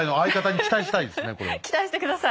期待して下さい。